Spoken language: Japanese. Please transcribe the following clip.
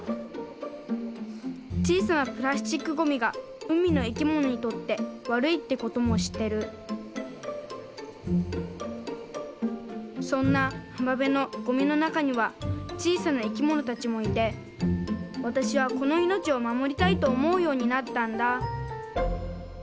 ちいさなプラスチックゴミがうみのいきものにとってわるいってこともしってるそんなはまべのゴミのなかにはちいさないきものたちもいてわたしはこのいのちをまもりたいとおもうようになったんだ